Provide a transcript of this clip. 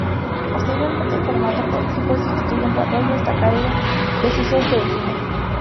Posteriormente, el formato códice fue sustituyendo al rollo hasta caer en desuso este último.